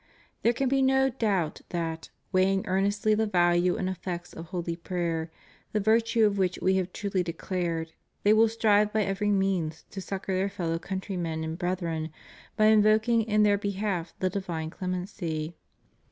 There can be no doubt that, weighing earnestly the value and effects of holy prayer, the virtue of which We have truly declared, they will strive by every means to succor their fellow countrv' men and brethren by invoking in their behalf the divine clemency.